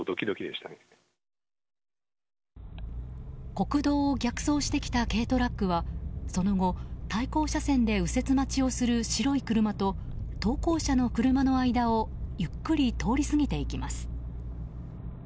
国道を逆走してきた軽トラックは、その後対向車線で右折待ちをする白い車と投稿者の車の間をゆっくり通り過ぎていきます。